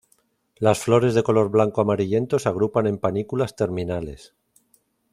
Las flores de color blanco amarillento se agrupan en panículas terminales.